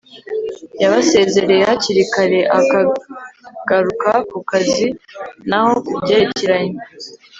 yabasezereye hakiri kare akagaruka ku kazi. na ho ku byerekeranye